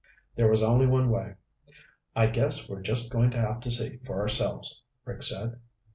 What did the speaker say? There was only one way. "I guess we're just going to have to see for ourselves," Rick said.